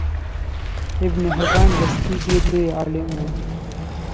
ابن حبان بستي ډیر لوی عالم وو